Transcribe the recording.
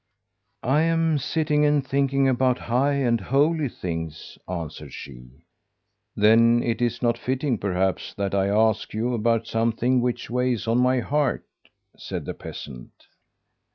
"'I am sitting and thinking about high and holy things,' answered she. 'Then it is not fitting, perhaps, that I ask you about something which weighs on my heart,' said the peasant.